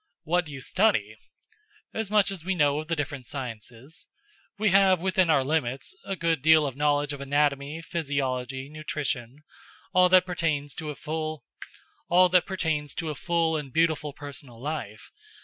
"What do you study?" "As much as we know of the different sciences. We have, within our limits, a good deal of knowledge of anatomy, physiology, nutrition all that pertains to a full and beautiful personal life.